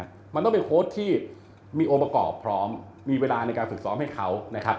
เราต้องเค้าต้องเป็นโค้ดที่มีโอกาสพร้อมมีเวลาในการฝึกซ้อมให้เขา